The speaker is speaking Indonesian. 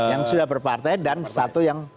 yang sudah berpartai dan satu yang